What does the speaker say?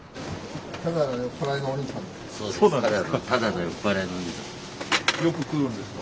そうなんですか？